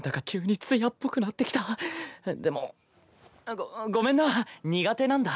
ごごめんな苦手なんだ。